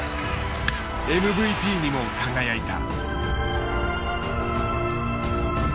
ＭＶＰにも輝いた。